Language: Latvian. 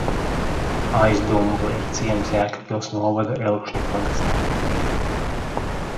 Aizdumble ir ciems Jēkabpils novada Elkšņu pagastā.